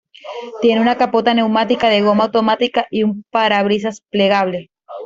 Tiene una capota neumática de goma automática y un parabrisas plegable.